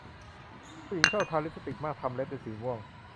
ผู้หญิงชอบทาลิปสติกมากทำเล็บเป็นสีม่วง